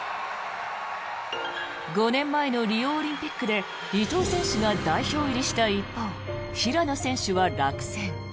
５年前のリオオリンピックで伊藤選手が代表入りした一方平野選手は落選。